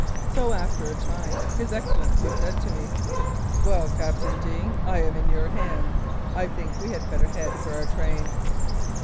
So, after a time, His Excellency said to me, "Well, Captain Deane, I am in your hands. I think we had better head for our train."